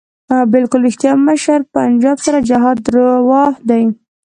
بلکل ريښتيا مشره پنجاب سره جهاد رواح دی